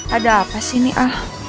ada apa sih ini al